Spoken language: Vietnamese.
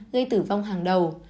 gây tử vong hàng đầu